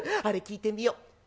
あれ聞いてみよう。